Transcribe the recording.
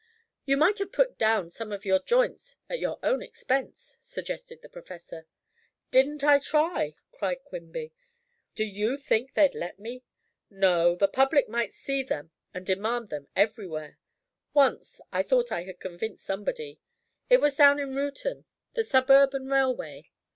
"You might have put down some of your joints at your own expense," suggested the professor. "Didn't I try?" cried Quimby. "Do you think they'd let me? No, the public might see them and demand them everywhere. Once, I thought I had convinced somebody. It was down in Reuton the Suburban Railway."